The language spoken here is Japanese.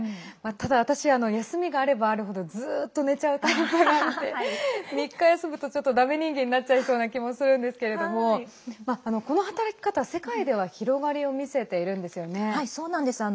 ただ、私休みがあればあるほどずっと寝ちゃうタイプなので３日休むと、ちょっとだめ人間になっちゃいそうな気もするんですけどもこの働き方、世界では広がりを見せているんですよね。